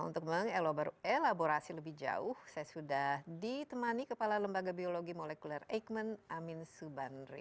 untuk mengelaborasi lebih jauh saya sudah ditemani kepala lembaga biologi molekuler eijkman amin subanri